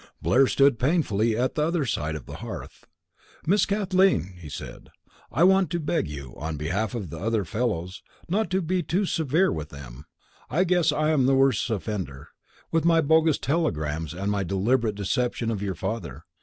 Blair stood painfully at the other side of the hearth. "Miss Kathleen," he said, "I want to beg you, on behalf of the other fellows, not to be too severe with them. I guess I'm the worst offender, with my bogus telegrams and my deliberate deception of your father.